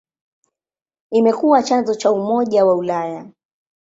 Imekuwa chanzo cha Umoja wa Ulaya.